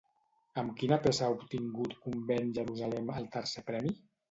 Amb quina peça ha obtingut Convent Jerusalem el tercer premi?